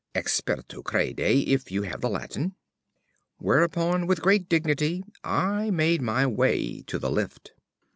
Experto crede, if you have the Latin." Whereupon with great dignity I made my way to the lift.